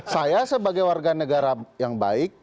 saya sebagai warga negara yang baik